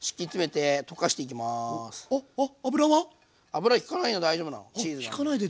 油ひかないの大丈夫なのチーズなんで。